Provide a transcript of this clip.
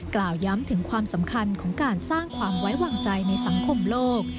กล่าวย้ำถึงความสำคัญของการสร้างความไว้วางใจในสังคมโลก